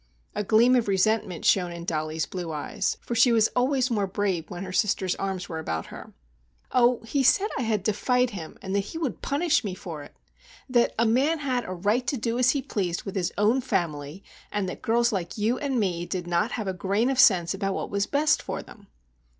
A gleam of resentment shone in Dollie's blue eyes, for she was always more brave when her sister's arms were about her. "Oh, he said I had defied him and that he would punish me for it! That a man had a right to do as he pleased with his own family, and that girls like you and me did not have a grain of sense about what was best for them!"